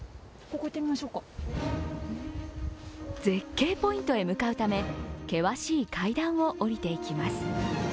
絶景ポイントへ向かうため険しい階段を下りていきます。